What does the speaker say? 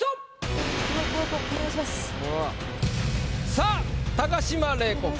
さあ高島礼子か？